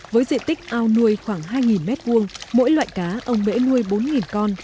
với diện tích ao nuôi khoảng hai m hai mỗi loại cá ông bể nuôi bốn con